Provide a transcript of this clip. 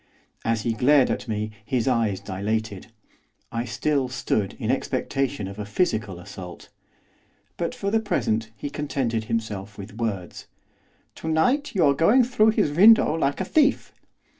As he glared at me his eyes dilated. I still stood in expectation of a physical assault. But, for the present, he contented himself with words. 'To night you are going through his window like a thief!